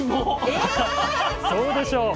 え⁉そうでしょう！